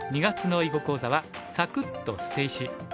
２月の囲碁講座は「サクッ！と捨て石」。